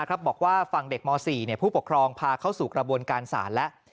บอกว่าฝั่งเด็กม๔ผู้ปกครองพาเข้าสู่กระบวนการศาลแล้ว